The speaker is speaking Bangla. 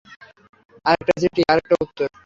আরেকটা চিঠি, আরেকটা উত্তর।